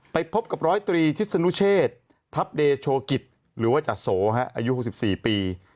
ไปพบกับร้อยตรีทิศนุเชษทัพเดโชกิจหรือว่าจาโสอายุ๖๔ปี